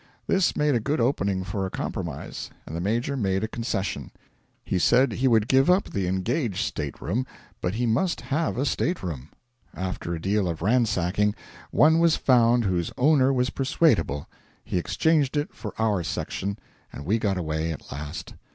This made a good opening for a compromise, and the Major made a concession. He said he would give up the engaged state room, but he must have a state room. After a deal of ransacking, one was found whose owner was persuadable; he exchanged it for our section, and we got away at last.